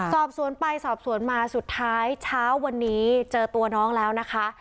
สอบสวนไปสอบสวนมาสุดท้ายเช้าวันนี้เจอตัวน้องแล้วนะคะ